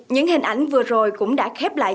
những hình ảnh vừa rồi cũng đã khép lại